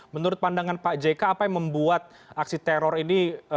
menurut pandangan pak jk apa yang membuat aksi teror ini